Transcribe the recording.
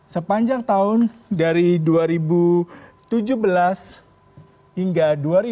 sepanjang tahun dari dua ribu tujuh belas hingga dua ribu dua puluh